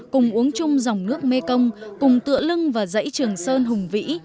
cùng uống chung dòng nước mê công cùng tựa lưng và dãy trường sơn hùng vĩ